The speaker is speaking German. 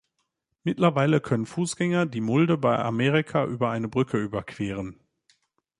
Mittlerweile können Fußgänger die Mulde bei Amerika über eine Brücke überqueren.